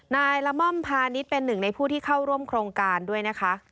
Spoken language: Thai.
นายละม่อมพาณิชย์เป็นหนึ่งในผู้ที่เข้าร่วมโครงการด้วยนะคะ